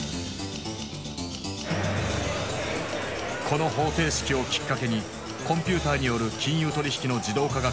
この方程式をきっかけにコンピューターによる金融取引の自動化が加速。